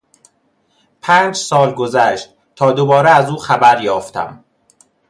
پنج سال گذشت تا دوباره از او خبر یافتم.